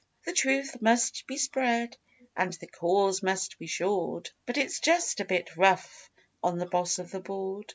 The Truth must be spread and the Cause must be shored But it's just a bit rough on the Boss of the board.